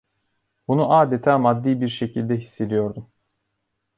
Bunu adeta maddi bir şekilde hissediyordum.